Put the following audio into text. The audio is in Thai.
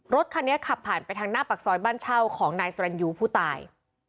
รถคันนี้ขับผ่านไปทางหน้าปากซอยบ้านเช่าของนายสรรยูผู้ตาย